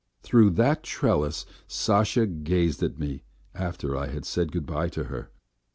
Through that trellis Sasha gazed at me after I had said goodbye to her.